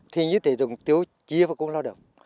thì như thế thì chúng tôi chia vào công lao động